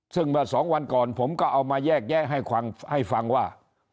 ซึ่งเมื่อสองวันก่อนผมก็เอามาแยกแยะให้ฟังว่า